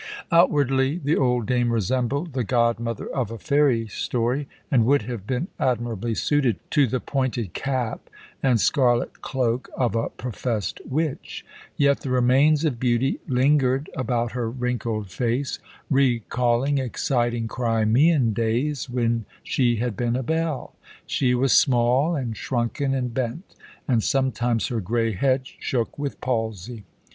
Outwardly the old dame resembled the godmother of a fairy story, and would have been admirably suited to the pointed cap and scarlet cloak of a professed witch. Yet the remains of beauty lingered about her wrinkled face, recalling exciting Crimean days when she had been a belle. She was small and shrunken and bent, and sometimes her grey head shook with palsy.